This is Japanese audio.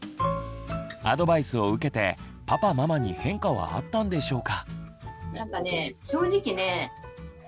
アドバイスを受けてパパママに変化はあったんでしょうか。